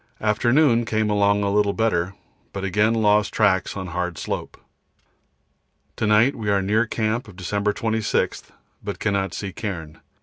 Afternoon, came along a little better, but again lost tracks on hard slope. To night we are near camp of December 26, but cannot see cairn.